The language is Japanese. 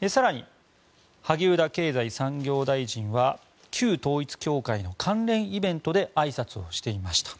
更に、萩生田経済産業大臣は旧統一教会の関連イベントであいさつをしていました。